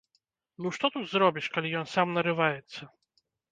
Ну што тут зробіш, калі ён сам нарываецца?